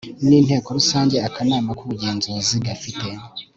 n Inteko Rusange Akanama k ubugenzuzi gafite